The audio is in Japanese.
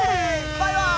バイバーイ！